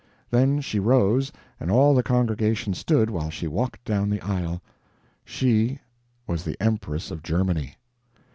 Then she rose and all the congregation stood while she walked down the aisle. She was the Empress of Germany!